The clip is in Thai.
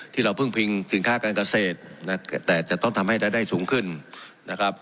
ที่เราพึ่งพิงสินค้าการเกษตรแต่จะต้องทำให้รายได้สูงขึ้นนะครับ